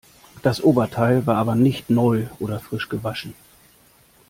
Das Oberteil war aber nicht neu oder frisch gewaschen.